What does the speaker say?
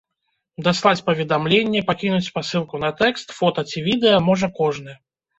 Даслаць паведамленне, пакінуць спасылку на тэкст, фота ці відэа можа кожны.